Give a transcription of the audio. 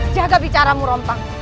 jaga bicaramu rompang